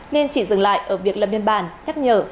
nên chỉ dừng lại ở việc lập biên bản nhắc nhở